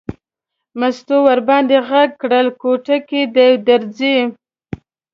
مستو ور باندې غږ کړل کوټه کې دی در وځي.